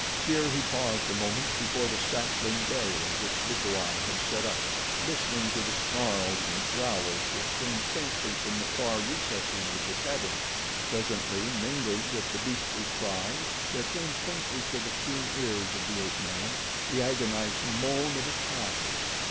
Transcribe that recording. Here he paused a moment before the sapling barrier which Bukawai had set up, listening to the snarls and growls which came faintly from the far recesses of the cavern. Presently, mingled with the beastly cries, there came faintly to the keen ears of the ape man, the agonized moan of a child.